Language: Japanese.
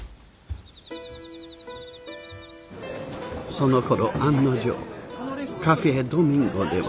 そのころ案の定カフェードミンゴでは。